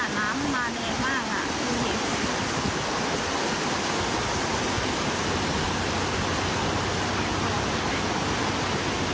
น้ำมันแรงมากน้องมาคนเดียวแล้วมันสารไม่ไหว